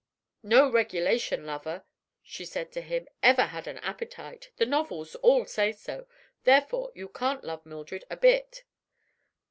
"No regulation lover," she said to him, "ever had an appetite. The novels all say so. Therefore you can't love Mildred a bit."